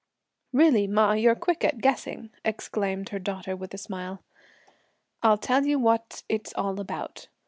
"Really ma, you're quick at guessing!" exclaimed her daughter with a smile; "I'll tell you what it's all about.